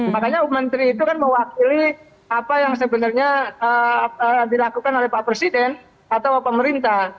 makanya menteri itu kan mewakili apa yang sebenarnya dilakukan oleh pak presiden atau pemerintah